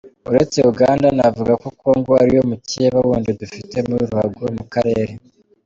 Uretse Uganda, navuga ko Congo ariyo mukeba wundi dufite muri ruhago mu Karere.